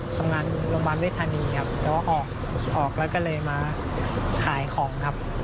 ทำงานโรงพยาบาลเวทธานีครับแต่ว่าออกแล้วก็เลยมาขายของครับ